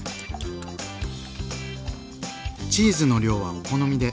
チーズの量はお好みで。